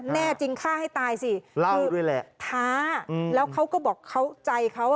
แน่จริงค้าให้ตายสิคือท้าแล้วเขาก็บอกใจเขา